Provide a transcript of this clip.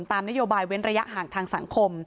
ตามนโยบายเว้นระยะห่างทางสังคม